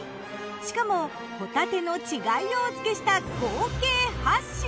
しかもほたての稚貝をお付けした合計８品。